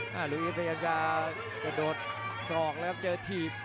หลุยกระโดดสอกแล้วครับเจอถีบ